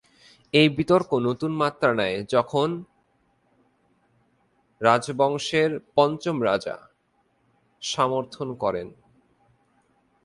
এই বিতর্ক নতুন মাত্রা নেয় যখন গ্ত্সাং-পা রাজবংশের পঞ্চম রাজা ফুন-ত্শোগ্স-র্নাম-র্গ্যাল দ্পাগ-ব্সাম-দ্বাং-পোকে সমর্থন করেন।